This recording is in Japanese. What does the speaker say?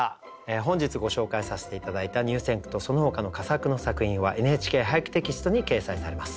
本日ご紹介させて頂いた入選句とそのほかの佳作の作品は「ＮＨＫ俳句」テキストに掲載されます。